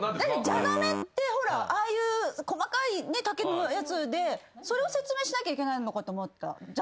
蛇の目って細かい竹のやつでそれを説明しなきゃいけないのかと思った。